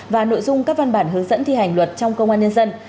và nội dung các văn bản hướng dẫn thi hành luật trong công an nhân dân